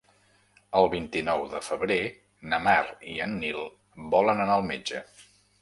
El vint-i-nou de febrer na Mar i en Nil volen anar al metge.